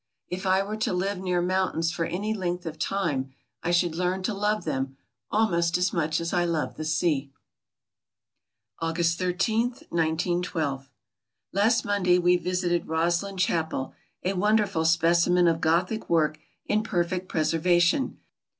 If I were to live near mountains for any length of time I should learn to love them almost as much as I love the sea. August 13, 1912 Last Monday we visited Roslin Chapel, a wonderful speci men of Gothic work in perfea preservation.